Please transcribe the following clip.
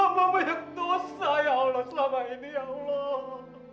amamu yang dosa ya allah selama ini ya allah